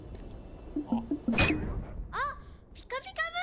あっ「ピカピカブ！」